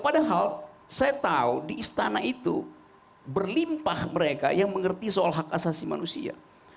padahal saya tahu di istana itu berlimpah mereka yang mengerti soal hak asasi manusia